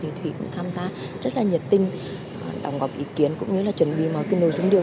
thi thủy tham gia rất là nhiệt tinh đóng góp ý kiến cũng như là chuẩn bị mọi cái nội dung điều